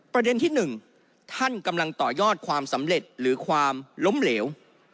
ประเด็นที่๑ท่านกำลังต่อยอดความสำเร็จหรือความล้มเหลว